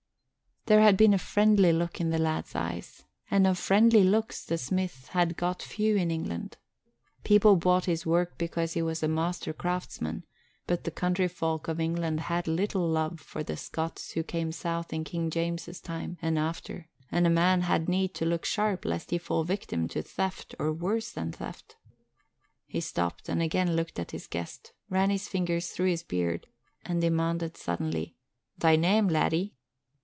There had been a friendly look in the lad's eyes, and of friendly looks the smith had got few in England. People bought his work because he was a master craftsman, but the country folk of England had little love for the Scots who came south in King James's time and after, and a man had need to look sharp lest he fall victim to theft or worse than theft. He stopped and again looked at his guest, ran his fingers through his beard and demanded suddenly, "Thy name, laddie?"